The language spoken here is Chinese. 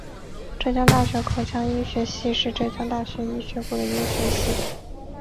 浙江大学口腔医学系是浙江大学医学部的一个学系。